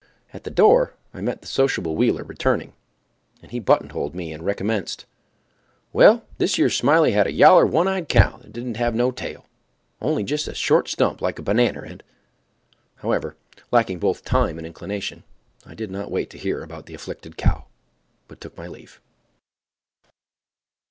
At the door I met the sociable Wheeler returning, and he buttonholed me and recommenced: "Well, thish yer Smiley had a yaller, one eyed cow that didn't have no tail, only jest a short stump like a bannanner, and——" However, lacking both time and inclination, I did not wait to hear about the afflicted cow, but took my leave.